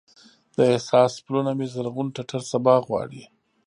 د احساس پلونه مې زرغون ټټر سبا غواړي